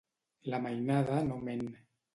La mainada no ment.